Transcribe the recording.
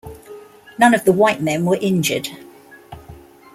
None of the white men were injured.